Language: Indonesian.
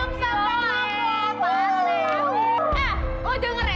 ah anda semua dengar ya